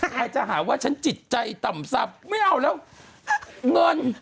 ใครจะหาว่าฉันจิตใจต่ำซับไม่เอาแล้วเงิน